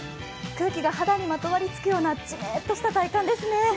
空気が肌にまとわりつくようなじめっとした体感ですね。